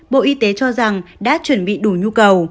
bộ y tế cho rằng đã chuẩn bị đủ nhu cầu